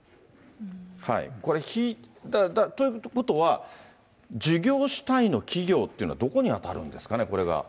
これ、ということは、事業主体の企業というのはどこに当たるんですかね、これが。